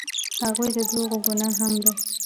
هغومره د دروغو ګناه هم ده.